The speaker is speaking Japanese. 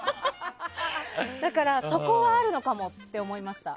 だから、そこはあるのかもって思いました。